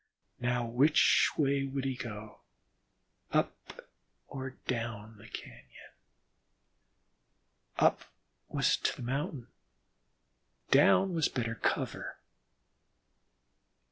Now which way would he go, up or down the cañon? Up was toward his mountain, down was better cover.